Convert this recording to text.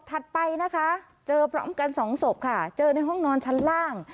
ไปนะคะเจอพร้อมกันสองศพค่ะเจอในห้องนอนชั้นล่าง